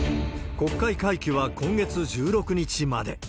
国会会期は今月１６日まで。